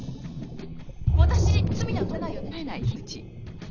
私罪には問われないよね？